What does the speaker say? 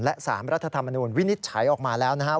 และ๓รัฐธรรมนูญวินิจฉัยออกมาแล้วนะครับ